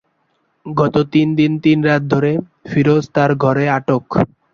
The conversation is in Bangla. গত তিন দিন তিন রাত ধরে ফিরোজ তার ঘরে আটক।